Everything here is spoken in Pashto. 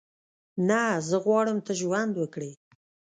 نه، زه غواړم ته ژوند وکړې.